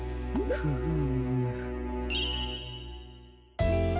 フーム。